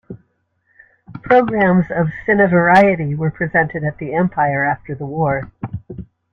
Programmes of "cine-variety" were presented at the Empire after the war.